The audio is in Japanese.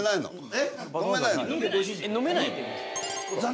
えっ。